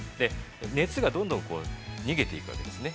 熱がどんどん逃げていくんですね。